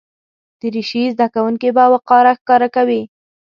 دریشي زده کوونکي باوقاره ښکاره کوي.